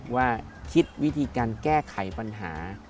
ว่าคิดวิธีการแก้ไขปัญหา